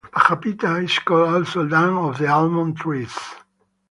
Pajapita is called also "Land of the Almond trees".